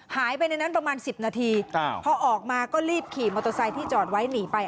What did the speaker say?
หายไปในนั้นประมาณ๑๐นาทีพอออกมาก็รีบขี่มอเตอร์ไซค์ที่จอดไว้หนีไป